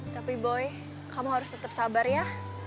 tapi boy kamu harus tetap sabar ya